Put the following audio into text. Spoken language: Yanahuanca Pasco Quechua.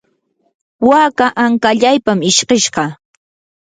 waka ankallaypam ishkishqa.